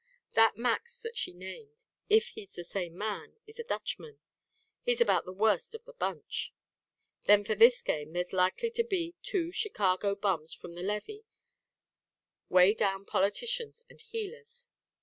That Max that she named, if he's the same man, is a Dutchman; he's about the worst of the bunch. Then for this game there's likely to be two Chicago bums from the Levee, way down politicians and heelers.